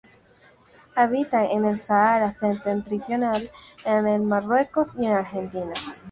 Habita en el Sahara septentrional en Marruecos y Argelia.